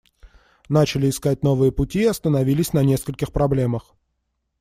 Начали искать новые пути и остановились на нескольких проблемах.